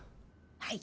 はい。